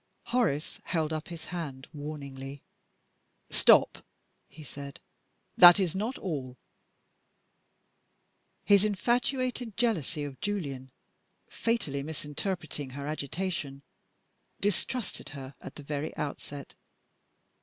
Horace held up his hand warningly. "Stop!" he said; "that is not all." His infatuated jealousy of Julian (fatally misinterpreting her agitation) distrusted her at the very outset.